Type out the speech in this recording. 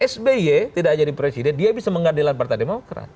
sby tidak jadi presiden dia bisa mengadilkan partai demokrat